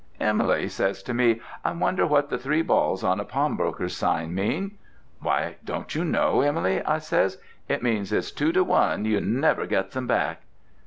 "Em'ly says to me, 'I wonder what the three balls on a pawnbroker's sign mean?' "'Why don't you know, Em'ly?' I says. It means it's two to one you never gets 'em back."